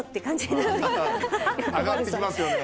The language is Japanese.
なんか上がってきますよね。